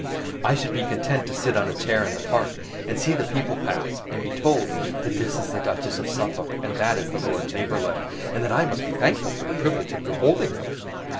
I should be content to sit on a chair in the park, and see the people pass, and be told that this is the Duchess of Suffolk, and that is the Lord Chamberlain, and that I must be thankful for the privilege of beholding them.